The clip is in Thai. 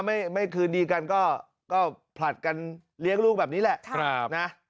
ไม่คืนดีกันก็ผลัดกันเลี้ยงลูกแบบนี้แหละนะ